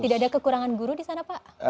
tidak ada kekurangan guru di sana pak